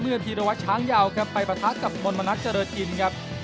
เมื่อทีระวัตรช้างยาวครับไปประทักกับบรมนักเจริญทินครับ